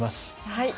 はい。